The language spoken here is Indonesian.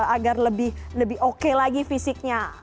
agar lebih oke lagi fisiknya